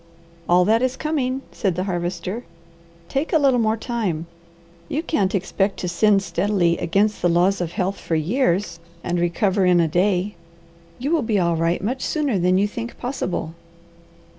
"All that is coming," said the Harvester. "Take a little more time. You can't expect to sin steadily against the laws of health for years, and recover in a day. You will be all right much sooner than you think possible."